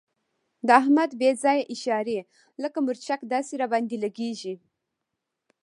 د احمد بې ځایه اشارې لکه مرچک داسې را باندې لګېږي.